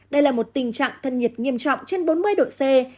đây là một tình trạng thân nhiệt nghiêm trọng trên bốn mươi độ c